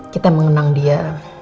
kita mengenang dia